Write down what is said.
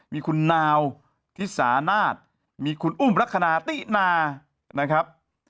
มีคุณนาวทิสานาศมีคุณอุ้มลักษณะตินานะครับ